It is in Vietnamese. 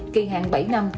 kỳ hạn bảy năm